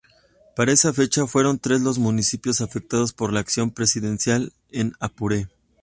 Para esa fecha fueron tres los municipios afectados por la acción presidencial en Apure.